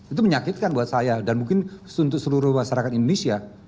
itu menyakitkan buat saya dan mungkin untuk seluruh masyarakat indonesia